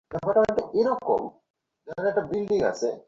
তোমার প্রতিপালকের বিধান এসে পড়েছে।